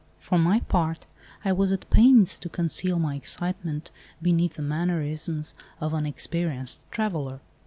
For my part, I was at pains to conceal my excitement beneath the mannerisms of an experienced traveller.